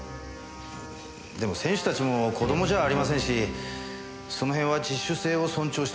でも選手たちも子供じゃありませんしその辺は自主性を尊重してます。